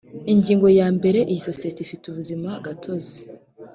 ingingo ya mbere isosiyete ifite ubuzima gatozi